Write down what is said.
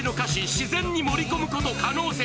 自然に盛り込むこと可能説